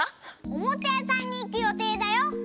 おもちゃやさんにいく予定だよ！